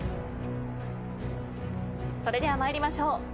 それでは参りましょう。